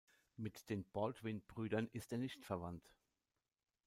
Mit den Baldwin-Brüdern ist er nicht verwandt.